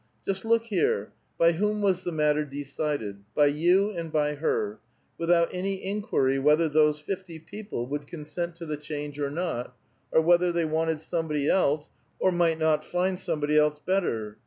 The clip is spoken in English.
"Just look here. By whom was the matter decided? by you and by her, without any inquirj whether those fifty people would consent to the change or not, or whether they wanted somebody else, or might not find somebody else bet ter?